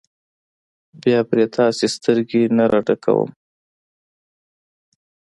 بیا پرې تاسې سترګې نه راډکوم.